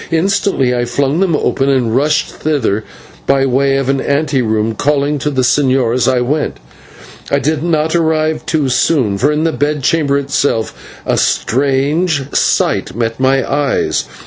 Instantly I flung them open and rushed thither by way of an ante room, calling to the señor as I went. I did not arrive too soon, for in the bedchamber itself a strange sight met my eyes.